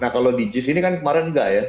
nah kalau di jis ini kan kemarin enggak ya